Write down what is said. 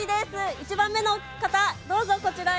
１番目の方、どうぞ、こちらへ。